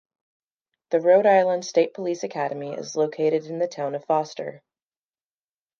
The Rhode Island State Police Academy is located in the town of Foster.